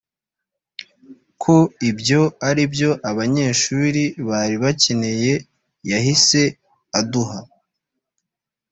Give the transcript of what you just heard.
ko ibyo ari byo abanyeshuri bari bakeneye yahise aduha